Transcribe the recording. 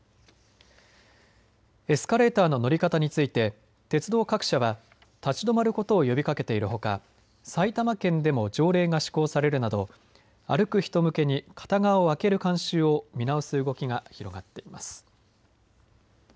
エスカレーターの乗り方について鉄道各社は立ち止まることを呼びかけているほか埼玉県でも条例が施行されるなど歩く人向けに片側を空ける慣習を見直す動きが広がっています。